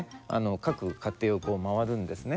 各家庭を回るんですね。